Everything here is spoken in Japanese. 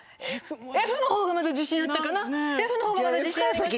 Ｆのほうがまだ自信ありました。